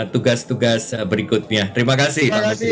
tugas tugas berikutnya terima kasih